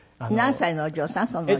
何歳のお嬢さん？